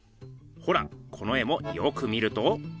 ほらこの絵もよく見ると。